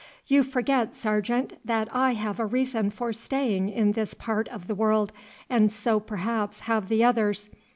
"You forget, Sergeant, that I have a reason for staying in this part of the world, and so perhaps have the others.